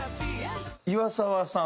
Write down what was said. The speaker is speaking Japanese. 岩沢さん